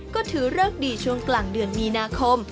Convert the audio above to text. ก็ถือเลิกดีช่วงกลางเดือนมีนาคม